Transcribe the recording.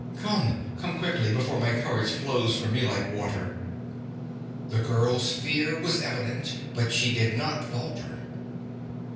Come! Come quickly, before my courage flows from me like water!' The girl's fear was evident, but she did not falter.